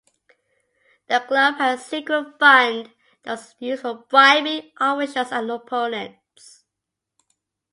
The club had a secret fund that was used for bribing officials and opponents.